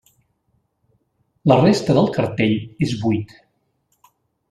La resta del cartell és buit.